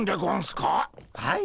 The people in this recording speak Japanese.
はい。